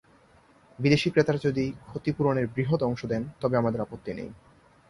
বিদেশি ক্রেতারা যদি ক্ষতিপূরণের বৃহৎ অংশ দেন, তবে আমাদের আপত্তি নেই।